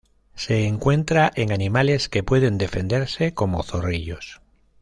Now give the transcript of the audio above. Se encuentra en animales que pueden defenderse, como zorrillos.